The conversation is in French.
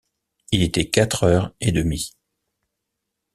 Il était quatre heures et demie.